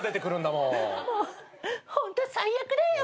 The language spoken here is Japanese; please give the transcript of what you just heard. もうホント最悪だよ。